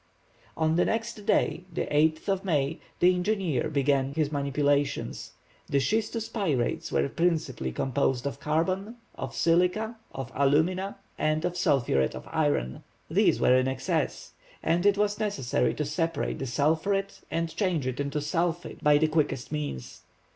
On the next day, the 8th of May, the engineer began his manipulations. The schistous pyrites were principally composed of carbon, of silica, of alumina, and sulphuret of iron,—these were in excess,—it was necessary to separate the sulphuret and change it into sulphate by the quickest means.